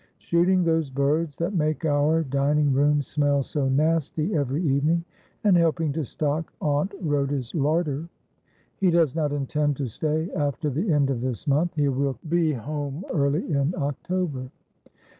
' Shooting those birds that make our dining room smell so nasty every evening, and helping to stock Aunt Rhoda's larder.' ' He does not intend to stay after the end of this month. He will be home early in October.'